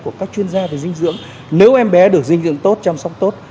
của các chuyên gia về dinh dưỡng nếu em bé được dinh dưỡng tốt chăm sóc tốt